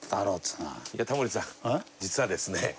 いやタモリさん実はですね